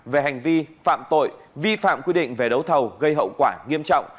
về hành vi phạm tội vi phạm quy định về đấu thầu gây hậu quả nghiêm trọng